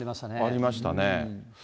ありましたね。